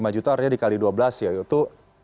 lima juta artinya dikali dua belas yaitu